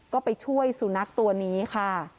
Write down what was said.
ก็ไปช่วยสุนัขตัวนี้ค่ะ